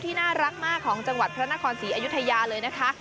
น่ารักมากของจังหวัดพระนครศรีอยุธยาเลยนะคะ